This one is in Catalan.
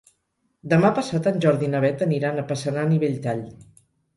Demà passat en Jordi i na Beth aniran a Passanant i Belltall.